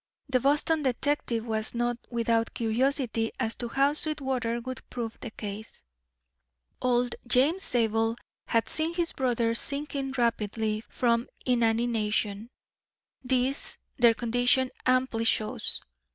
The Boston detective was not without curiosity as to how Sweetwater would prove the case. "Old James Zabel had seen his brother sinking rapidly from inanition; this their condition amply shows.